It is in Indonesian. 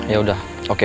ya udah oke